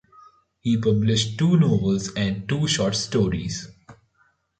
He published two novels and two short stories.